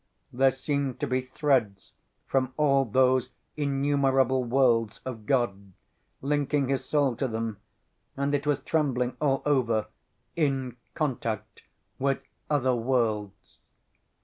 There seemed to be threads from all those innumerable worlds of God, linking his soul to them, and it was trembling all over "in contact with other worlds."